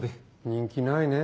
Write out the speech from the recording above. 人気ないね